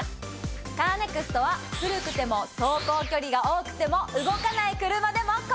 カーネクストは古くても走行距離が多くても動かない車でも。